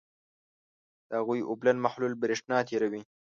د هغوي اوبلن محلول برېښنا تیروي.